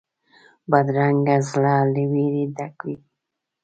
بدرنګه زړه له وېرې ډک وي